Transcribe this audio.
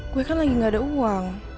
gue kan lagi gak ada uang